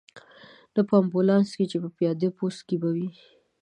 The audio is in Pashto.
نه په امبولانس کې، چې په پیاده پوځ کې به وې.